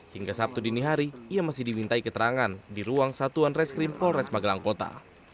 hingga sabtu dini hari ia masih dimintai keterangan di ruang satuan reskrim polres magelang kota